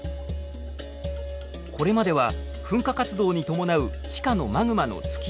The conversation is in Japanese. これまでは噴火活動に伴う地下のマグマの突き上げ